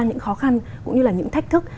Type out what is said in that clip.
những khó khăn cũng như là những thách thức